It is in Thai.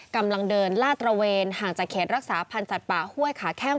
กำลังเดินลาดตระเวนห่างจากเขตรักษาพันธ์สัตว์ป่าห้วยขาแข้ง